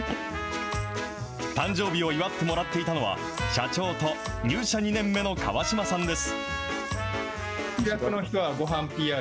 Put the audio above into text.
誕生日を祝ってもらっていたのは、社長と入社２年目の川島さんです。